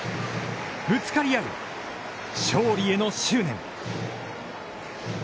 ぶつかり合う勝利への執念。